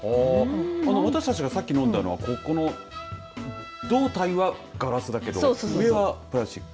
私たちがさっき飲んだのはここの胴体はガラスだけど上はプラスチック。